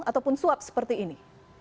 ataupun suap seperti ini